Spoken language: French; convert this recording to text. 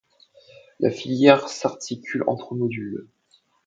La filière s’articule en trois modules.